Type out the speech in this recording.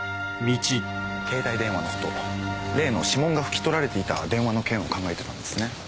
携帯電話のこと例の指紋が拭き取られていた電話の件を考えていたんですね？